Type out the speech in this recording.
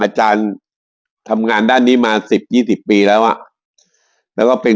อาจารย์ทำงานด้านนี้มาสิบยี่สิบปีแล้วอ่ะแล้วก็เป็น